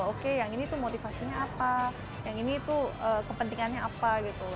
oke yang ini tuh motivasinya apa yang ini tuh kepentingannya apa gitu